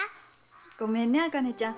ごめんねあかねちゃん。